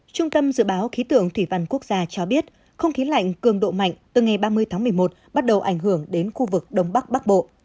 trung tâm dự báo khí tượng thủy văn quốc gia cho biết không khí lạnh cường độ mạnh từ ngày ba mươi tháng một mươi một bắt đầu ảnh hưởng đến khu vực đông bắc bắc bộ